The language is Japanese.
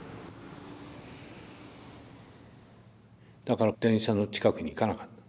だから電車の近くに行かなかった。